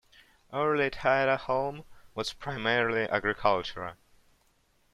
Early Tidaholm was primarily agricultural.